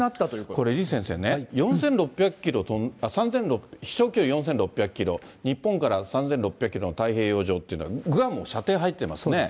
これ、李先生ね、４６００キロ、飛しょう距離４６００キロ、日本から３６００キロの太平洋上というのは、グアム、そうですね。